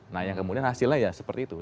nah yang kemudian hasilnya ya seperti itu